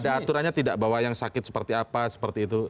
ada aturannya tidak bahwa yang sakit seperti apa seperti itu